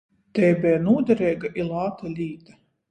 Tei beja nūdereiga i lāta līta.